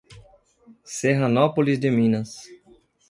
Serranópolis de Minas